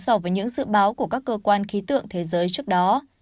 so với những dự báo của các cơ quan khí tượng thế giới trước đó